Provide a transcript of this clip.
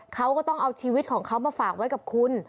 เขาก็ต้องเอาชีวิตของเขามาฝากไว้กับคุณ